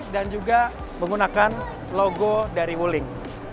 dan juga menggunakan logo dari wuling